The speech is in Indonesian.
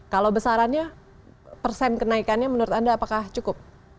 kalau besarannya persen kenaikannya menurut anda apakah cukup